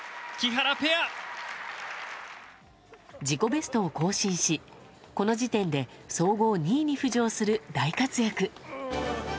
自己ベストを更新し、この時点で総合２位に浮上する大活躍。